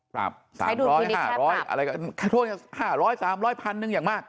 ปรับคัตโฮ้ย๓๐๐๓๐๐พันหนึ่งอย่างมาก